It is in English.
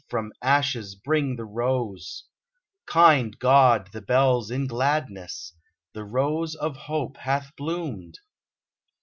From ashes bring the rose ! Kind God ! The bells, in gladness ! The rose of hope hath bloomed